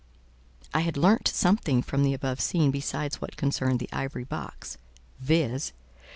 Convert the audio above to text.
I had learnt something from the above scene besides what concerned the ivory box: viz.